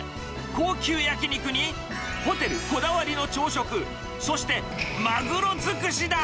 高級焼き肉に、ホテルこだわりの朝食、そしてマグロ尽くしだ。